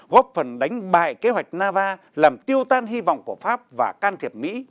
góp phần đánh bại kế hoạch nava làm tiêu tan hy vọng của pháp và can thiệp mỹ